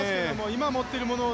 今、持っている力を。